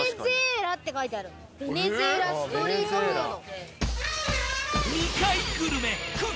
ベネズエラストリートフード。